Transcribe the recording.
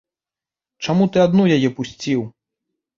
Чаму ты адну яе пусціў?